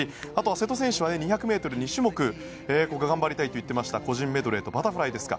瀬戸選手は２００ｍ２種目頑張りたいと言っていました個人メドレーとバタフライですか。